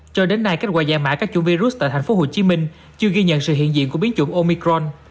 cho đến nay kết quả giải mã các chủng virus tại tp hcm chưa ghi nhận sự hiện diện của biến chủng omicron